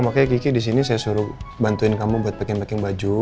makanya ki ki disini saya suruh bantuin kamu buat packing packing baju